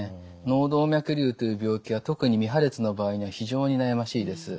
脳動脈瘤という病気は特に未破裂の場合には非常に悩ましいです。